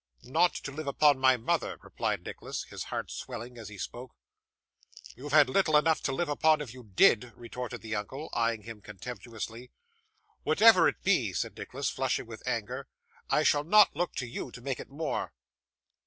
'Not to live upon my mother,' replied Nicholas, his heart swelling as he spoke. 'You'd have little enough to live upon, if you did,' retorted the uncle, eyeing him contemptuously. 'Whatever it be,' said Nicholas, flushed with anger, 'I shall not look to you to make it more.